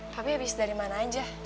tapi habis dari mana aja